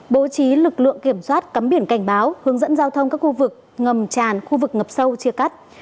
bố trí lực lượng kiểm soát cấm biển cảnh báo hướng dẫn giao thông các khu vực ngầm tràn khu vực ngập sâu chia cắt